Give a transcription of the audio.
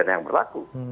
dan yang berlaku